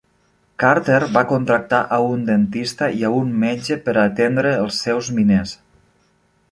Carter va contractar a un dentista i a un metge per a atendre els seus miners.